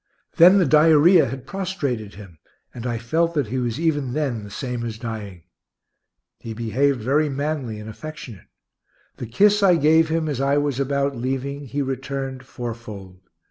Then the diarrhoea had prostrated him, and I felt that he was even then the same as dying. He behaved very manly and affectionate. The kiss I gave him as I was about leaving, he returned fourfold.